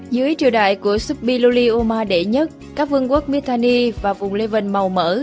dưới triều đại của subi luli uma đệ nhất các vương quốc mitanni và vùng leven màu mỡ